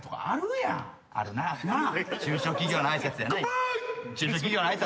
中小企業の挨拶！